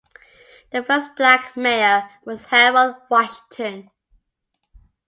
The first black mayor was Harold Washington.